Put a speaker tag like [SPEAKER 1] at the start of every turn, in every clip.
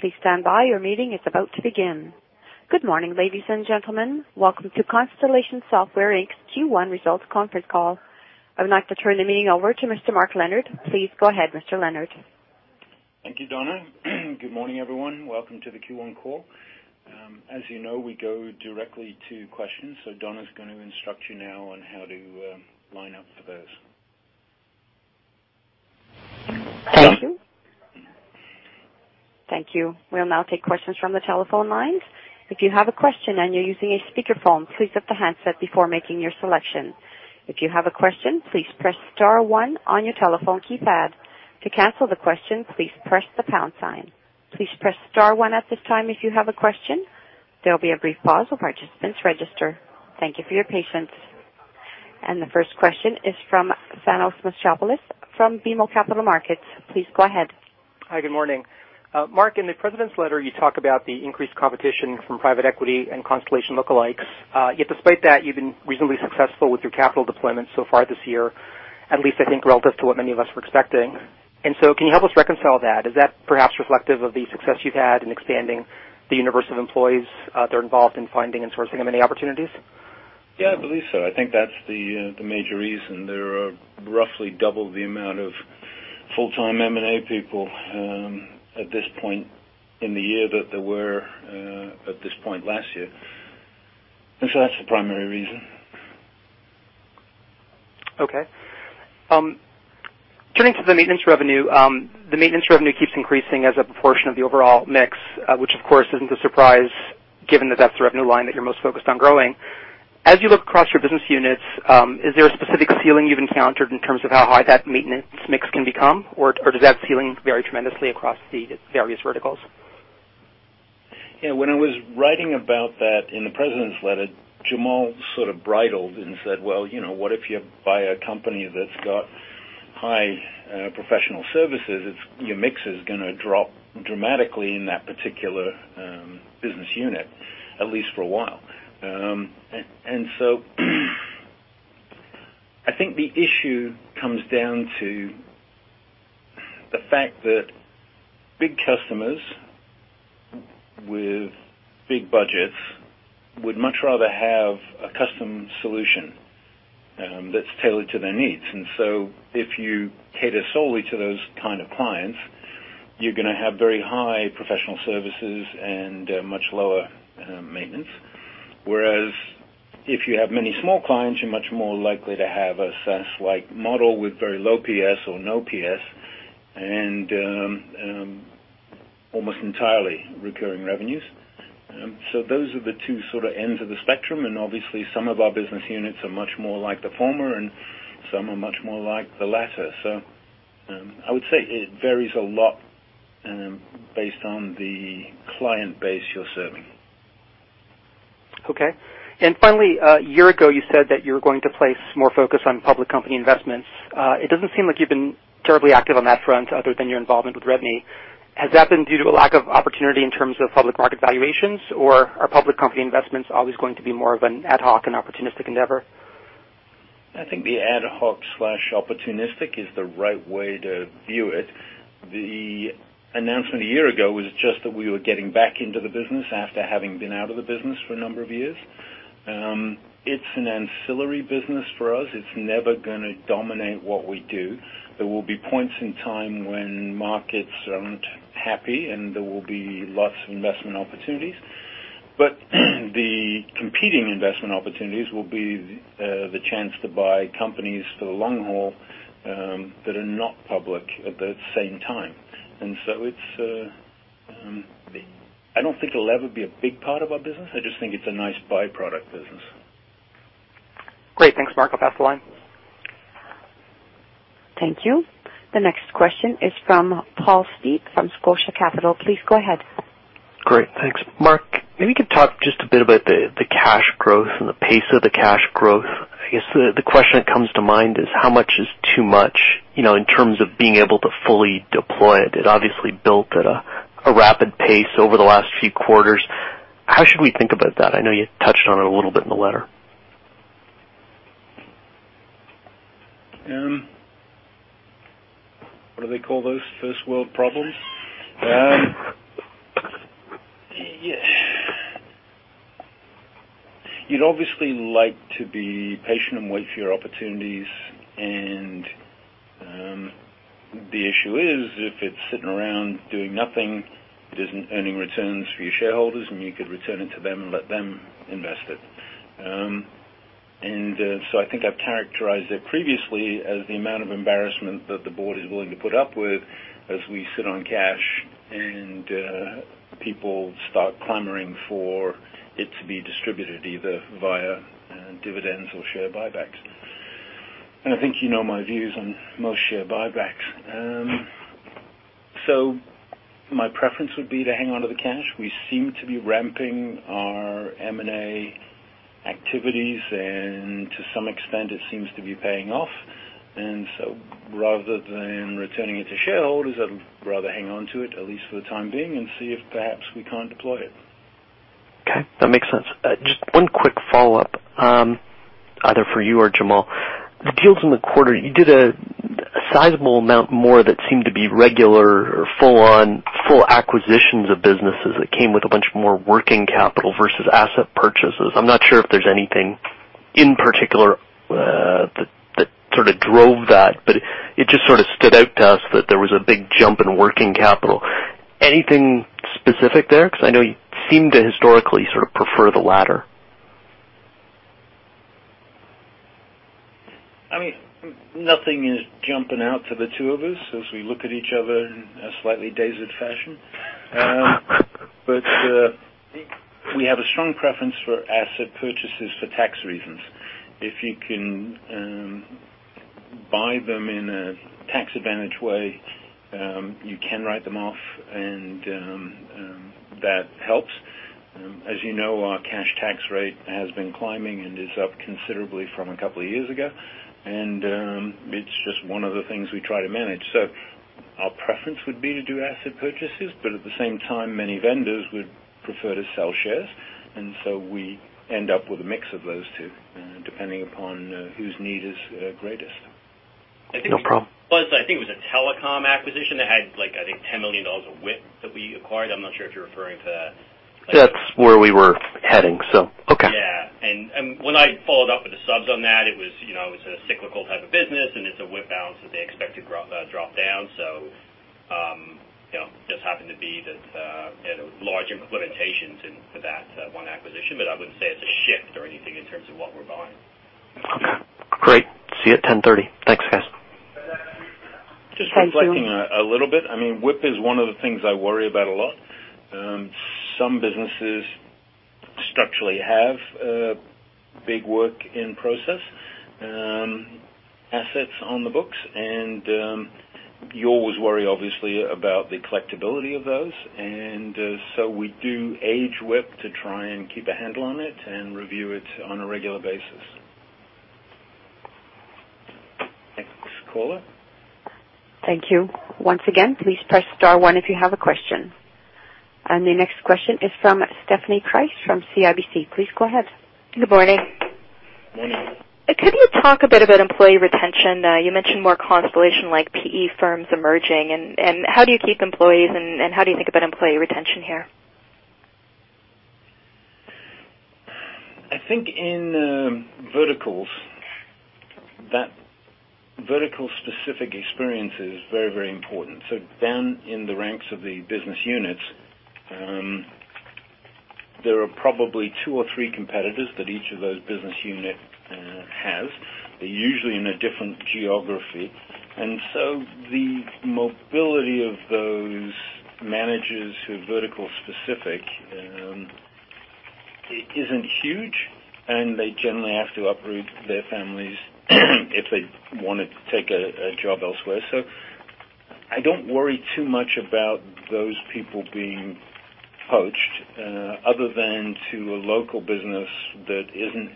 [SPEAKER 1] Good morning, ladies and gentlemen. Welcome to Constellation Software Inc.'s Q1 results conference call. I would like to turn the meeting over to Mr. Mark Leonard. Please go ahead, Mr. Leonard.
[SPEAKER 2] Thank you, Donna. Good morning, everyone. Welcome to the Q1 call. As you know, we go directly to questions. Donna is gonna instruct you now on how to line up for those.
[SPEAKER 1] Thank you. Thank you. We'll now take questions from the telephone lines. If you have a question and you're using a speakerphone, please up the handset before making your selection. If you have a question, please press star one on your telephone keypad. To cancel the question, please press the pound sign. Please press star one at this time if you have a question. There'll be a brief pause while participants register. Thank you for your patience. The first question is from Thanos Moschopoulos from BMO Capital Markets. Please go ahead.
[SPEAKER 3] Hi, good morning. Mark, in the President's letter, you talk about the increased competition from private equity and Constellation lookalikes. Yet despite that, you've been reasonably successful with your capital deployment so far this year, at least I think relative to what many of us were expecting. Can you help us reconcile that? Is that perhaps reflective of the success you've had in expanding the universe of employees that are involved in finding and sourcing of any opportunities?
[SPEAKER 2] Yeah, I believe so. I think that's the major reason. There are roughly double the amount of full-time M&A people at this point in the year that there were at this point last year. That's the primary reason.
[SPEAKER 3] Okay. Turning to the maintenance revenue, the maintenance revenue keeps increasing as a proportion of the overall mix, which, of course, isn't a surprise, given that that's the revenue line that you're most focused on growing. As you look across your business units, is there a specific ceiling you've encountered in terms of how high that maintenance mix can become? Or does that ceiling vary tremendously across the various verticals?
[SPEAKER 2] Yeah. When I was writing about that in the president's letter, Jamal sort of bridled and said, "Well, you know, what if you buy a company that's got high professional services? Your mix is gonna drop dramatically in that particular business unit, at least for a while." I think the issue comes down to the fact that big customers with big budgets would much rather have a custom solution that's tailored to their needs. If you cater solely to those kind of clients, you're gonna have very high professional services and much lower maintenance. Whereas if you have many small clients, you're much more likely to have a SaaS-like model with very low PS or no PS and almost entirely recurring revenues. Those are the two sorta ends of the spectrum, and obviously, some of our business units are much more like the former, and some are much more like the latter. I would say it varies a lot, based on the client base you're serving.
[SPEAKER 3] Okay. Finally, a year ago, you said that you were going to place more focus on public company investments. It doesn't seem like you've been terribly active on that front other than your involvement with Roper. Has that been due to a lack of opportunity in terms of public market valuations? Or are public company investments always going to be more of an ad hoc and opportunistic endeavor?
[SPEAKER 2] I think the ad hoc/opportunistic is the right way to view it. The announcement a year ago was just that we were getting back into the business after having been out of the business for a number of years. It's an ancillary business for us. It's never gonna dominate what we do. There will be points in time when markets aren't happy, and there will be lots of investment opportunities. The competing investment opportunities will be the chance to buy companies for the long haul that are not public at that same time. It's I don't think it'll ever be a big part of our business. I just think it's a nice byproduct business.
[SPEAKER 3] Great. Thanks, Mark. I'll pass the line.
[SPEAKER 1] Thank you. The next question is from Paul Steep from Scotia Capital. Please go ahead.
[SPEAKER 4] Great. Thanks. Mark, maybe you could talk just a bit about the cash growth and the pace of the cash growth. I guess the question that comes to mind is how much is too much, you know, in terms of being able to fully deploy it? It obviously built at a rapid pace over the last few quarters. How should we think about that? I know you touched on it a little bit in the letter.
[SPEAKER 2] What do they call those? First world problems? Yes. You'd obviously like to be patient and wait for your opportunities, and the issue is if it's sitting around doing nothing, it isn't earning returns for your shareholders, and you could return it to them and let them invest it. I think I've characterized it previously as the amount of embarrassment that the board is willing to put up with as we sit on cash and people start clamoring for it to be distributed either via dividends or share buybacks. I think you know my views on most share buybacks. My preference would be to hang on to the cash. We seem to be ramping our M&A activities, and to some extent, it seems to be paying off. Rather than returning it to shareholders, I'd rather hang on to it, at least for the time being, and see if perhaps we can't deploy it.
[SPEAKER 4] Okay, that makes sense. Just one quick follow-up, either for you or Jamal. The deals in the quarter, you did a sizable amount more that seemed to be regular or full acquisitions of businesses that came with a bunch of more working capital versus asset purchases. I'm not sure if there's anything in particular that sort of drove that, but it just sort of stood out to us that there was a big jump in working capital. Anything specific there? 'Cause I know you seem to historically sort of prefer the latter.
[SPEAKER 2] I mean, nothing is jumping out to the two of us as we look at each other in a slightly dazed fashion. We have a strong preference for asset purchases for tax reasons. If you can buy them in a tax advantage way, you can write them off and that helps. As you know, our cash tax rate has been climbing and is up considerably from a couple of years ago. It's just one of the things we try to manage. Our preference would be to do asset purchases, but at the same time, many vendors would prefer to sell shares, and so we end up with a mix of those two, depending upon whose need is greatest.
[SPEAKER 4] No problem.
[SPEAKER 5] I think it was a telecom acquisition that had, like, I think 10 million dollars of WIP that we acquired. I'm not sure if you're referring to that.
[SPEAKER 4] That's where we were heading, so okay.
[SPEAKER 5] Yeah. When I followed up with the subs on that, it was, you know, it was a cyclical type of business and it's a WIP balance that they expect to drop down. You know, just happened to be that they had a large implementations for that one acquisition. I wouldn't say it's a shift or anything in terms of what we're buying.
[SPEAKER 4] Okay, great. See you at 10:30. Thanks, guys.
[SPEAKER 2] Just reflecting a little bit. I mean, WIP is one of the things I worry about a lot. Some businesses structurally have big work in process assets on the books. You always worry obviously about the collectibility of those. We do age WIP to try and keep a handle on it and review it on a regular basis. Next caller.
[SPEAKER 1] Thank you. Once again, please press star one if you have a question. The next question is from Stephanie Price from CIBC. Please go ahead.
[SPEAKER 6] Good morning.
[SPEAKER 2] Morning.
[SPEAKER 6] Could you talk a bit about employee retention? You mentioned more Constellation like PE firms emerging and how do you keep employees and how do you think about employee retention here?
[SPEAKER 2] I think in verticals, that vertical specific experience is very important. Down in the ranks of the business units, there are probably two or three competitors that each of those business unit has. They're usually in a different geography. The mobility of those managers who are vertical specific, isn't huge, and they generally have to uproot their families if they wanna take a job elsewhere. I don't worry too much about those people being poached, other than to a local business that isn't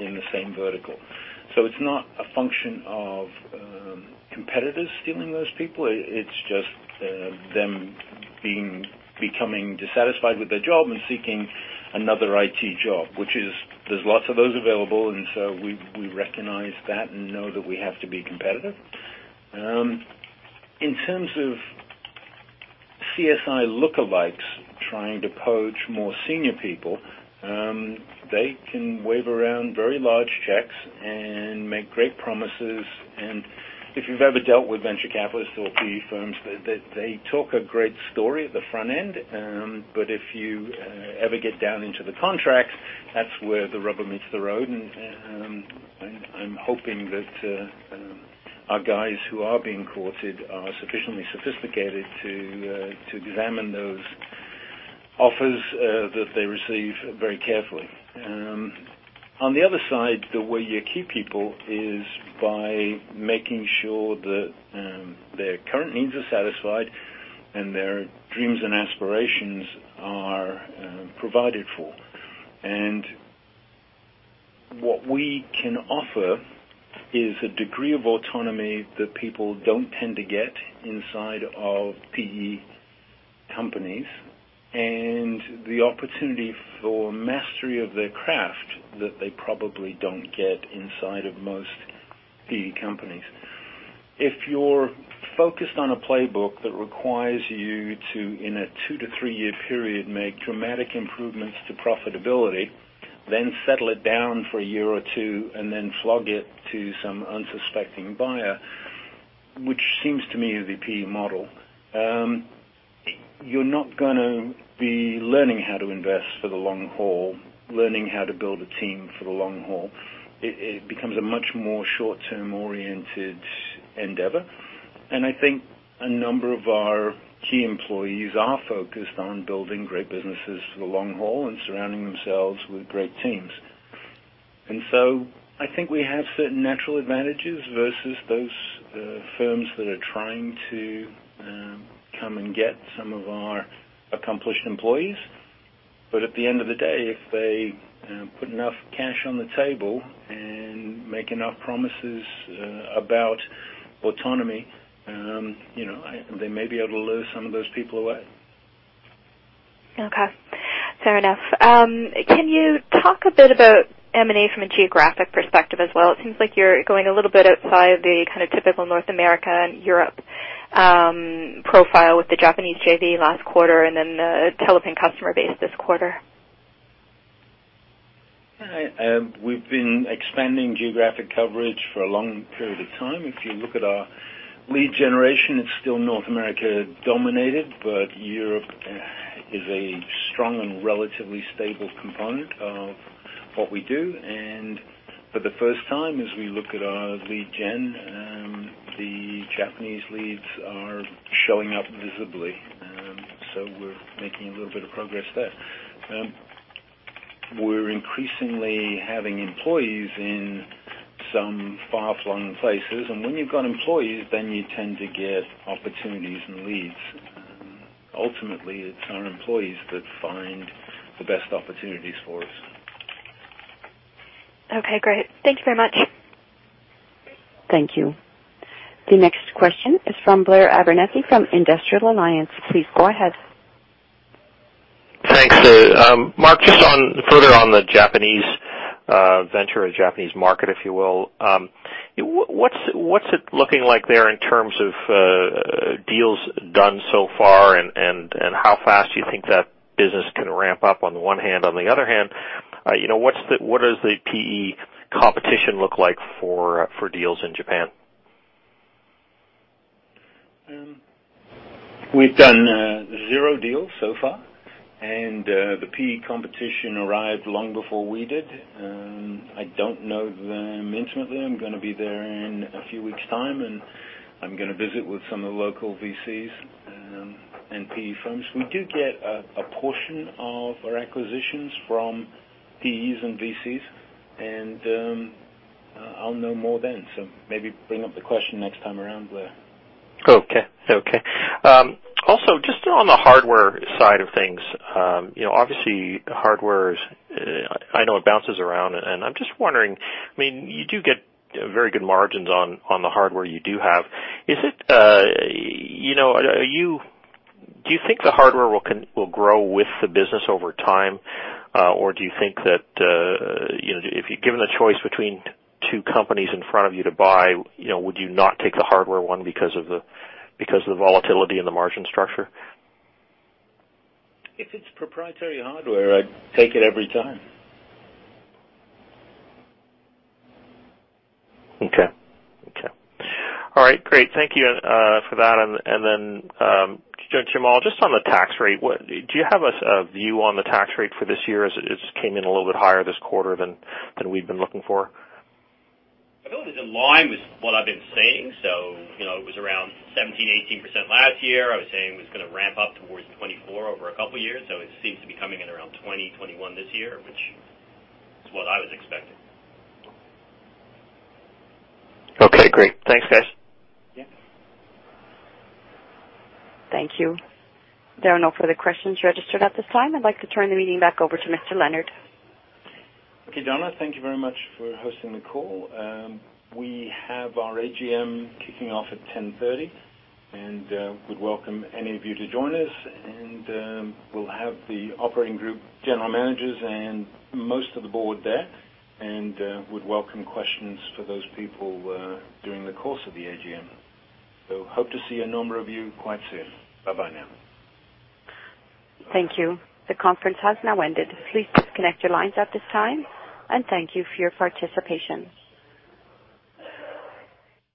[SPEAKER 2] in the same vertical. It's just them becoming dissatisfied with their job and seeking another IT job, which is there's lots of those available. We recognize that and know that we have to be competitive. In terms of CSI lookalikes trying to poach more senior people, they can wave around very large checks and make great promises. If you've ever dealt with venture capitalists or PE firms, they talk a great story at the front end. But if you ever get down into the contracts, that's where the rubber meets the road. I'm hoping that our guys who are being courted are sufficiently sophisticated to examine those offers that they receive very carefully. On the other side, the way you keep people is by making sure that their current needs are satisfied and their dreams and aspirations are provided for. What we can offer is a degree of autonomy that people don't tend to get inside of PE companies and the opportunity for mastery of their craft that they probably don't get inside of most PE companies. If you're focused on a playbook that requires you to, in a two- to three-year period, make dramatic improvements to profitability, then settle it down for a year or two and then flog it to some unsuspecting buyer, which seems to me is the PE model, you're not going to be learning how to invest for the long haul, learning how to build a team for the long haul. It becomes a much more short-term oriented endeavor. I think a number of our key employees are focused on building great businesses for the long haul and surrounding themselves with great teams. I think we have certain natural advantages versus those firms that are trying to come and get some of our accomplished employees. At the end of the day, if they put enough cash on the table and make enough promises about autonomy, you know, they may be able to lure some of those people away.
[SPEAKER 6] Okay, fair enough. Can you talk a bit about M&A from a geographic perspective as well? It seems like you're going a little bit outside the kind of typical North America and Europe, profile with the Japanese JV last quarter and then the Telepin customer base this quarter.
[SPEAKER 2] We've been expanding geographic coverage for a long period of time. If you look at our lead generation, it's still North America dominated, but Europe is a strong and relatively stable component of what we do. For the first time, as we look at our lead gen, the Japanese leads are showing up visibly. We're making a little bit of progress there. We're increasingly having employees in some far-flung places, and when you've got employees, then you tend to get opportunities and leads. Ultimately, it's our employees that find the best opportunities for us.
[SPEAKER 6] Okay, great. Thank you very much.
[SPEAKER 1] Thank you. The next question is from Blair Abernethy from Industrial Alliance. Please go ahead.
[SPEAKER 7] Thanks, Mark, just further on the Japanese venture or Japanese market, if you will. What's it looking like there in terms of deals done so far and how fast do you think that business can ramp up on the one hand? On the other hand, you know, what does the PE competition look like for deals in Japan?
[SPEAKER 2] We've done zero deals so far, and the PE competition arrived long before we did. I don't know them intimately. I'm gonna be there in a few weeks' time, and I'm gonna visit with some of the local VCs and PE firms. We do get a portion of our acquisitions from PEs and VCs and I'll know more then. Maybe bring up the question next time around, Blair.
[SPEAKER 7] Okay. Okay. Also, just on the hardware side of things, you know, obviously hardware's, I know it bounces around, and I'm just wondering, I mean, you do get very good margins on the hardware you do have. Is it, you know, do you think the hardware will grow with the business over time? Do you think that, you know, if you're given a choice between two companies in front of you to buy, you know, would you not take the hardware one because of the volatility and the margin structure?
[SPEAKER 2] If it's proprietary hardware, I'd take it every time.
[SPEAKER 7] Okay. Okay. All right. Great. Thank you for that. Jamal, just on the tax rate, do you have a view on the tax rate for this year as it just came in a little bit higher this quarter than we've been looking for?
[SPEAKER 5] I think it's in line with what I've been saying. You know, it was around 17%-18% last year. I was saying it was gonna ramp up towards 24% over a couple of years. It seems to be coming in around 20%-21% this year, which is what I was expecting.
[SPEAKER 7] Okay, great. Thanks, guys.
[SPEAKER 5] Yeah.
[SPEAKER 1] Thank you. There are no further questions registered at this time. I'd like to turn the meeting back over to Mr. Leonard.
[SPEAKER 2] Okay, Donna. Thank you very much for hosting the call. We have our AGM kicking off at 10:30 A.M. We welcome any of you to join us. We'll have the operating group, general managers, and most of the board there. We'd welcome questions for those people during the course of the AGM. Hope to see a number of you quite soon. Bye-bye now.
[SPEAKER 1] Thank you. The conference has now ended. Please disconnect your lines at this time, and thank you for your participation.